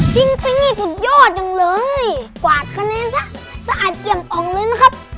จริงนี่สุดยอดจังเลยกวาดคะแนนซะสะอาดเอี่ยมอ่องเลยนะครับ